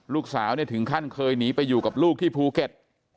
ลูกสาวถึงขั้นเคยหนีไปอยู่กับลูกที่ภูเก็ต